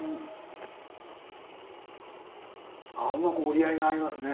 ああうまく折り合いが合いますね！